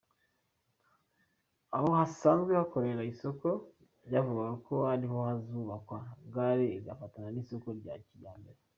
Aho hasanzwe hakorera isoko byavugwaga ko ariho hazubakwa gare igafatana n’isoko rya kijyambere.